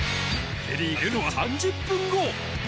フェリーが出るのは３０分後。